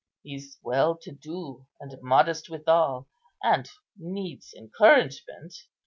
He's well to do, and modest withal, and needs encouragement."